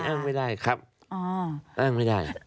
อ้างไม่ได้ครับอ้างไม่ได้